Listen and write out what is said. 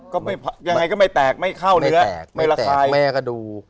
ก็ไม่ยังไงก็ไม่แตกไม่เข้าเนื้อไม่ระคายไม่แตกแม่กระดูก